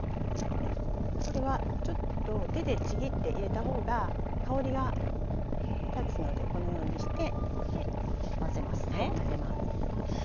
これはちょっと手でちぎって入れたほうが香りが立つのでこのようにして混ぜますね。